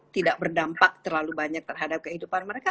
tidak berdampak terlalu banyak terhadap kehidupan mereka